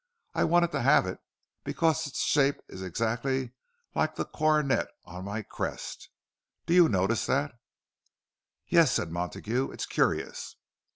I wanted to have it, because its shape is exactly like the coronet on my crest. Do you notice that?" "Yes," said Montague. "It's curious."